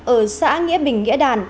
ở xã nghĩa bình nghĩa đàn